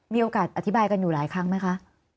มีโอกาสอธิบายกันอยู่หลายครั้งไหมคะ